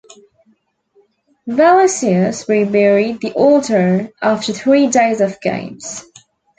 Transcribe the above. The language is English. Valesius reburied the altar after three days of games.